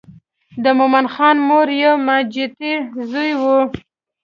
د مومن خان مور یو ماجتي زوی و.